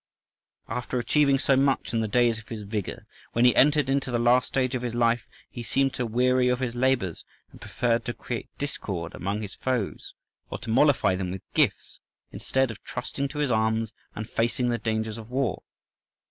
"After achieving so much in the days of his vigour, when he entered into the last stage of his life he seemed to weary of his labours, and preferred to create discord among his foes or to mollify them with gifts, instead of trusting to his arms and facing the dangers of war.